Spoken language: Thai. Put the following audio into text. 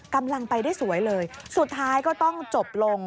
กำลังไปได้สวยเลยสุดท้ายก็ต้องจบลง